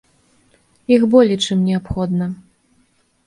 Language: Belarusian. Іх болей, чым неабходна.